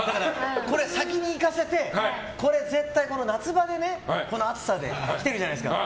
先に行かせて、夏場でこの暑さで来てるじゃないですか。